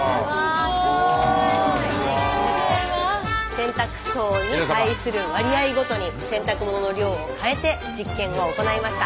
洗濯槽に対する割合ごとに洗濯物の量を変えて実験を行いました。